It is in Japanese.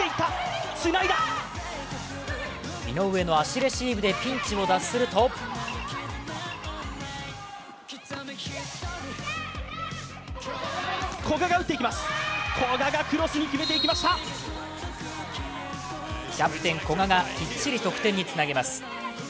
井上の足レシーブでピンチを脱するとキャプテン・古賀がきっちり得点につなげます。